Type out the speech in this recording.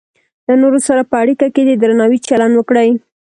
له نورو سره په اړیکه کې د درناوي چلند وکړئ.